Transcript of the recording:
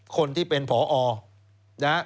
คนที่เป็นผอนะฮะ